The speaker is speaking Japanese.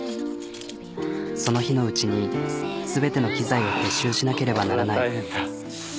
その日のうちに全ての機材を撤収しなければならない。